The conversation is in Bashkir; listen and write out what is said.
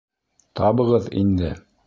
Табығыҙ инде!